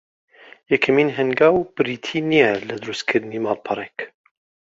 یەکەمین هەنگاو بریتی نییە لە درووست کردنی ماڵپەڕێک